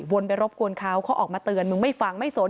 ไปรบกวนเขาเขาออกมาเตือนมึงไม่ฟังไม่สน